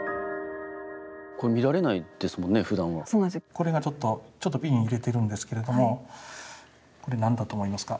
これがちょっと瓶に入れてるんですけれどもこれ何だと思いますか？